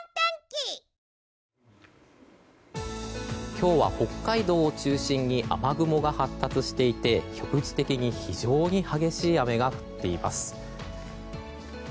今日は北海道を中心に雨雲が発達していて局地的に非常に激しい雨が降っています。